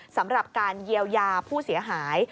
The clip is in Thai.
สำหรับการเยียวยาผู้เสียหาย